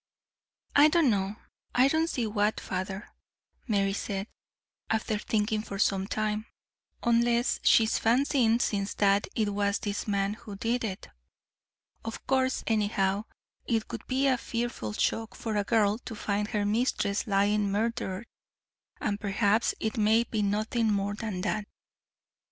"I don't know. I don't see what, father," Mary said, after thinking for some time, "unless she is fancying since that it was this man who did it. Of course, anyhow, it would be a fearful shock for a girl to find her mistress lying murdered, and perhaps it may be nothing more than that."